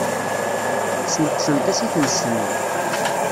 Sneqsent-as i tmes-nni.